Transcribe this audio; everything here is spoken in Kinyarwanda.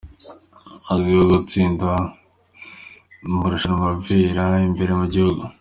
Azwiho gutsinda amarushanwa abera imbere mu gihugu.